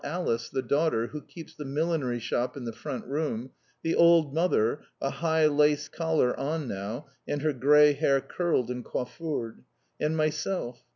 Alice, the daughter, who keeps the millinery shop in the front room; the old mother, a high lace collar on now, and her grey hair curled and coiffured; and myself.